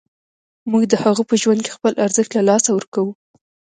موږ د هغه په ژوند کې خپل ارزښت له لاسه ورکوو.